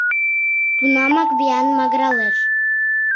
Тунамак виян магыралеш.